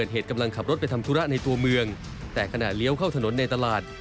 ให้ตัวเมืองแต่ขนาดเลี้ยวเข้าถนนในตลาด